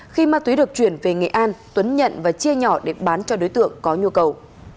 khi ma túy được chuyển về nghệ an tuấn nhận và chia nhỏ để bán cho đối tượng có nhu cầu